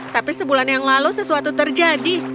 tapi sebulan yang lalu sesuatu terjadi